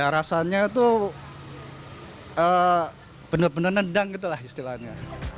rasanya itu benar benar nendang gitu lah istilahnya